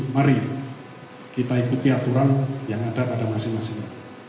mari kita ikuti aturan yang ada pada peradilan militer